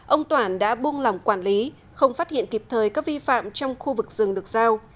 ông toản đã buông lòng quản lý không phát hiện kịp thời các vi phạm trong khu vực rừng được giao